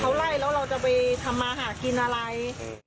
เขาไล่แล้วเราจะไปทำมาหากินอะไร